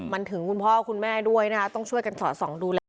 มันถึงคุณพ่อคุณแม่ด้วยนะคะต้องช่วยกันสอดส่องดูแล